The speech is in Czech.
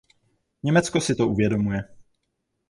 Německo si to uvědomuje.